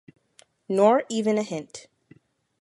Nor even a hint